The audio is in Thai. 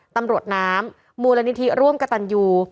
ตำรวจน้ำมูลนิธิร่วมกระตันยู